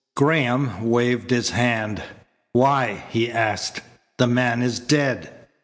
Graham waved his hand. "Why?" he asked. "The man is dead."